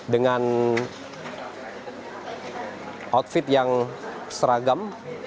dengan outfit yang seragam